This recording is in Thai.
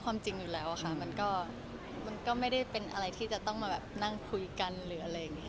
ความจริงอยู่แล้วค่ะมันก็ไม่ได้เป็นอะไรที่จะต้องมาแบบนั่งคุยกันหรืออะไรอย่างนี้